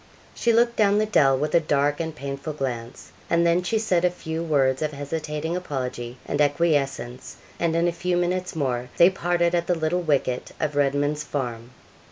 She looked down the dell, with a dark and painful glance, and then she said a few words of hesitating apology and acquiescence, and in a few minutes more they parted at the little wicket of Redman's Farm.